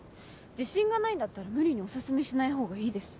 自信がないんだったら無理にオススメしないほうがいいです。